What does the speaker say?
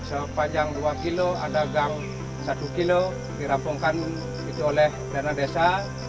sepanjang dua kilo ada gang satu kilo dirapungkan oleh dana desa